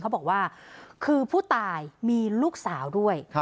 เขาบอกว่าคือผู้ตายมีลูกสาวด้วย